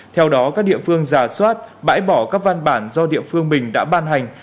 theo đó các địa phương giả soát bãi bỏ các văn bản do địa phương mình đã ban hành